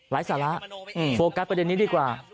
สาระโฟกัสประเด็นนี้ดีกว่า